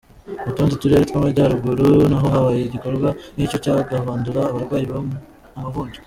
Mu tundi turere tw’amajyaruguru naho habaye igikorwa nk’iki cyo guhandura abarwaye amavunja.